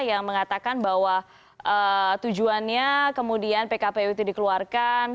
yang mengatakan bahwa tujuannya kemudian pkpu itu dikeluarkan